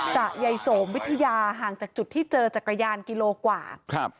สะยายโสมวิทยาห่างจากจุดที่เจอจักรยานกิโลกว่าครับ